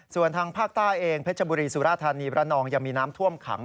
ส่วนทางภาคใต้เองเพชรบุรีสุราธานีประนองยังมีน้ำท่วมขัง